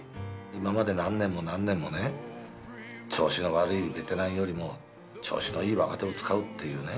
今まで何年も何年もね調子の悪いベテランよりも調子のいい若手を使うっていうね